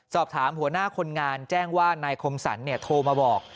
สอบถามหัวหน้าคนงานแจ้งว่านายคมสันเนี่ยโทรมาบอก